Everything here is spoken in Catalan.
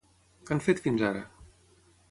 Què han fet fins ara?